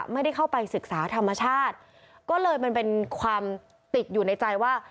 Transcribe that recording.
ไม่ได้เข้าไปศึกษาธรรมชาติก็เลยมันเป็นความติดอยู่ในใจว่า